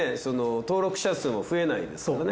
登録者数も増えないですもんね。